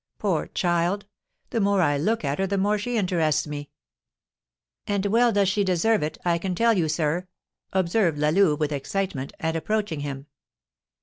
Poor child! The more I look at her the more she interests me." "And well does she deserve it, I can tell you, sir," observed La Louve, with excitement, and approaching him.